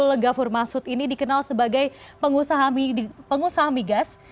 abdul ghafur masud ini dikenal sebagai pengusaha migas